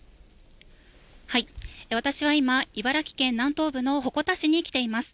私は今、茨城県南東部の鉾田市に来ています。